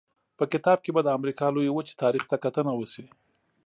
په کتاب کې به د امریکا لویې وچې تاریخ ته کتنه وشي.